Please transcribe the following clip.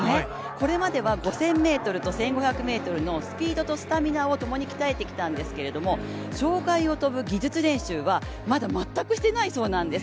これまでは５０００ｍと１５００ｍのスピードとスタミナをともに鍛えてきたんですけど障害を跳ぶ技術練習はまだ全くしてないそうなんです。